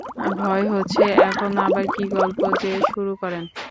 ভয় হচ্ছে, এখন আবার কী গল্প যে শুরু করেন।